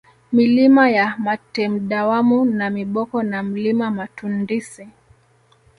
Milima ya Matemdawanu Namiboko na Mlima Matundsi